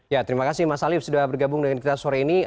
ya terima kasih mas alif sudah bergabung dengan kita sore ini